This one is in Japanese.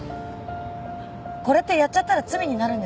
これってやっちゃったら罪になるんですかね？